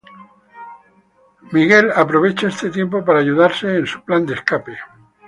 Michael aprovecha este tiempo para ayudarse en su plan de escape.